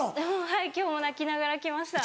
はい今日も泣きながら来ました。